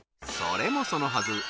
それもそのはず